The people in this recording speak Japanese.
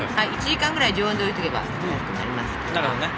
１時間ぐらい常温で置いておけば使いやすくなりますからね。